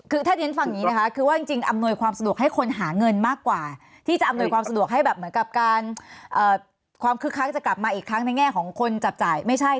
คือถ้าเรียนฟังอย่างนี้นะคะคือว่าจริงอำนวยความสะดวกให้คนหาเงินมากกว่าที่จะอำนวยความสะดวกให้แบบเหมือนกับการความคึกคักจะกลับมาอีกครั้งในแง่ของคนจับจ่ายไม่ใช่